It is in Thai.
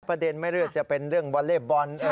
ประเด็นไม่เลือดจะเป็นเรื่องวอเลล์บอล